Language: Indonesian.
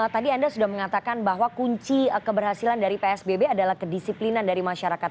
tadi anda sudah mengatakan bahwa kunci keberhasilan dari psbb adalah kedisiplinan dari masyarakat